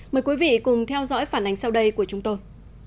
mời quý vị cùng theo dõi phản ánh sau đây của chúng tôi